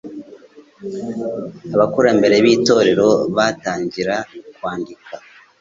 Abakurambere b'itorero batangira kwandika